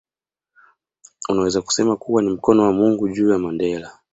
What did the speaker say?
Unaweza kusema kuwa ni mkono wa Mungu juu ya Mandela